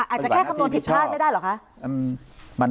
อาจจะแค่คำนวณผิดพลาดไม่ได้เหรอคะ